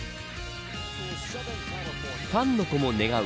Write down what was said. ファンの子も願う